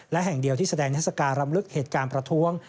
และแห่งเดียวที่แสดงทัศการรำลึกเหตุการณ์ประท้วง